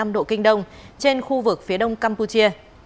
một trăm linh sáu năm độ kinh đông trên khu vực phía đông campuchia